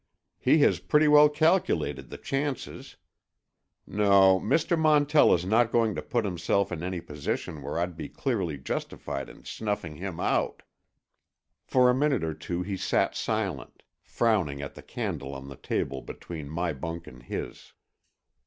He has pretty well calculated the chances. No, Mr. Montell is not going to put himself in any position where I'd be clearly justified in snuffing him out." For a minute or so he sat silent, frowning at the candle on the table between my bunk and his.